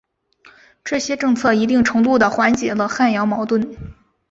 这些政策一定程度的缓解了汉瑶矛盾。